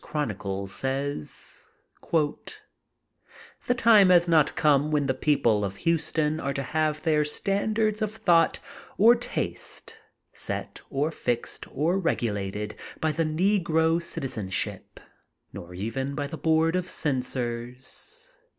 Chronicle says; — the time has not come when the people of Houston are to have their standards of thought or taste set or fixed or regulated by the negro citizenship, nor even by the board of censors.